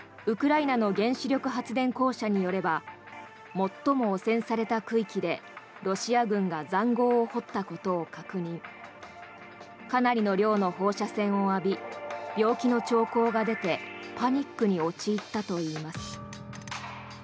ウクライナの原子力発電公社によれば最も汚染された区域でロシア軍が塹壕を掘ったことを確認かなりの量の放射線を浴び病気の兆候が出てパニックに陥ったといいます。